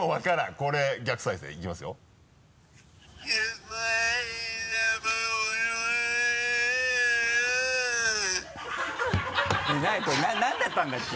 これ何だったんだっけ？